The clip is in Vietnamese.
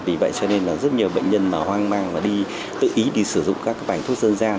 vì vậy cho nên rất nhiều bệnh nhân hoang mang và tự ý đi sử dụng các bản thuốc dân gian